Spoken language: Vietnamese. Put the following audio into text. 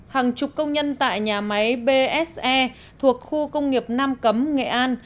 hàng chục công nhân tại nhà máy bse thuộc khu công nghiệp nam cấm nghệ an